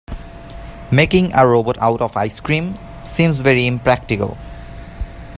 Making a robot out of ice cream seems very impractical.